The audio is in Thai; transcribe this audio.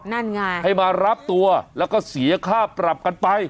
นั่นไงให้มารับตัวแล้วก็เสียค่าปรับกันไป